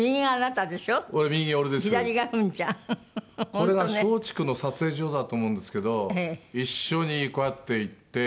これが松竹の撮影所だと思うんですけど一緒にこうやって行って。